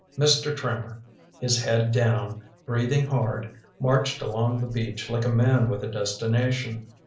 Mr. Trimmer, his head down, breathing hard, marched along the beach like a man with a destination.